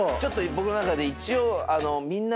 僕の中で一応。